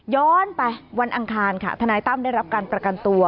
ย้อนไปวันอังคารค่ะทนายตั้มได้รับการประกันตัว